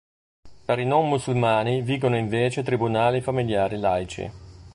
Per i non musulmani vigono invece tribunali familiari laici.